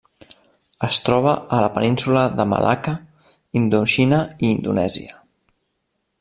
Es troba a la Península de Malacca, Indoxina i Indonèsia.